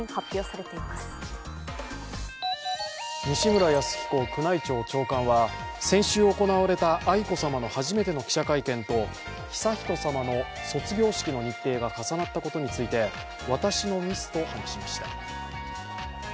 西村泰彦宮内庁長官は先週行われた愛子さまの初めての記者会見と悠仁さまの卒業式の日程が重なったことについて私のミスと話しました。